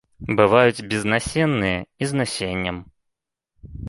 Бываюць безнасенныя і з насеннем.